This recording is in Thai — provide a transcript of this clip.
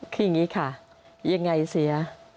คืออย่างนี้ค่ะยังไงเสีย